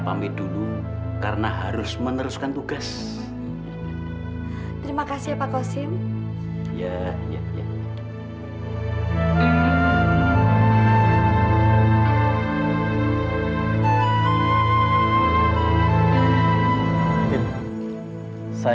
aku tidak pernah memilikinya